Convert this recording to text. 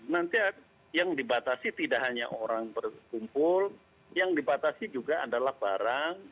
nanti yang dibatasi tidak hanya orang berkumpul yang dibatasi juga adalah barang